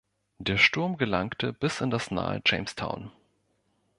Der Sturm gelangte bis in das nahe Jamestown.